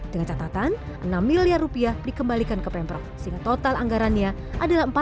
dengan catatan rp enam miliar dikembalikan ke pemprov sehingga total anggarannya adalah rp empat ratus tujuh puluh dua miliar